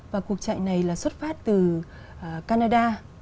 và cuộc chạy này là xuất phát từ canada